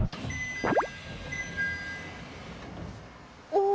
お！